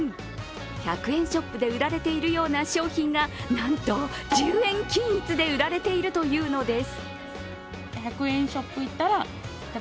１００円ショップで売られているような商品がなんと１０円均一で売られているというのです。